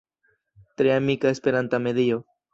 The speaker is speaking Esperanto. Tre amika Esperanta medio.